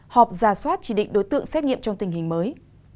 họp ra soát chỉ định đối tượng xét nghiệm trong tình hình mới